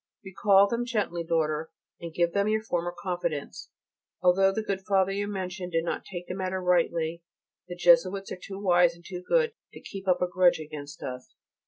Recall them gently, daughter, and give them your former confidence. Although the good Father you mention did not take the matter rightly the Jesuits are too wise and too good to keep up a grudge against us.